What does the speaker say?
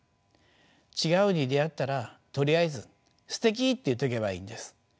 違うに出会ったらとりあえず「すてき！」と言っとけばいいんです。